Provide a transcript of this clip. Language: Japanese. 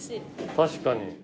確かに。